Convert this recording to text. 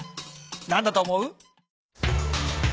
何だと思う？